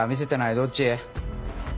どっち？